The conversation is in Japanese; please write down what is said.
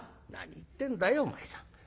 「何言ってんだよお前さん。